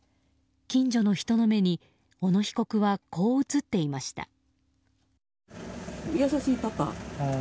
近所の人の目に小野被告はこう映っていました。